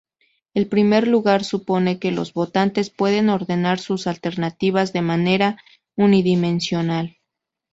En primer lugar supone que los votantes pueden ordenar sus alternativas de manera unidimensional.